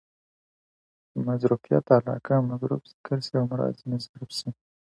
مظروفیت علاقه؛ مظروف ذکر سي او مراد ځني ظرف يي.